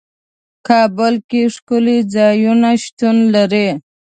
کابل کې ښکلي ځايونه شتون لري.